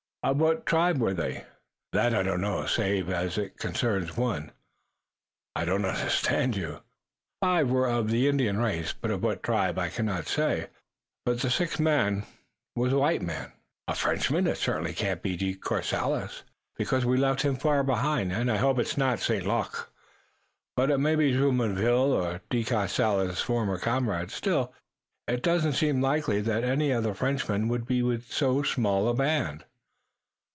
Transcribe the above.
"Of what tribe were they?" "That I do not know, save as it concerns one." "I don't understand you." "Five were of the Indian race, but of what tribe I cannot say, but the sixth was a white man." "A Frenchman. It certainly can't be De Courcelles, because we've left him far behind, and I hope it's not St. Luc. Maybe it's Jumonville, De Courcelles' former comrade. Still, it doesn't seem likely that any of the Frenchmen would be with so small a band."